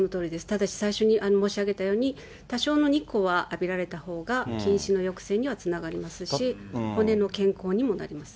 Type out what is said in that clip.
ただし最初に申し上げたように、多少の日光は浴びられたほうが近視の抑制にはつながりますし、骨の健康にもなります。